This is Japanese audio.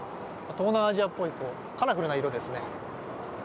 東南アジアっぽいカラフルな色ですね。